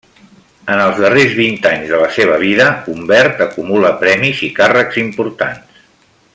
En els darrers vint anys de la seva vida, Humbert acumula premis i càrrecs importants.